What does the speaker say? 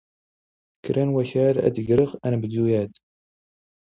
ⴽⵔⴰ ⵏ ⵡⴰⴳⴰⵏ ⴰⴷ ⴳⵔⵉⵖ ⴰⵏⴱⴷⵓ ⴰⴷ.